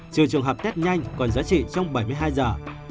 trừ trường hợp test nhanh còn giá trị trong bảy mươi hai giờ